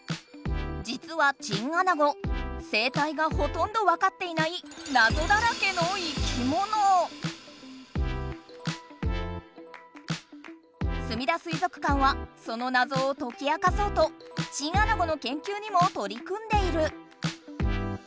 じつはチンアナゴ生態がほとんど分かっていないすみだ水族館はそのナゾをとき明かそうとチンアナゴのけんきゅうにもとり組んでいる。